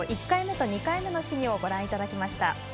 １回目と２回目の試技をご覧いただきました。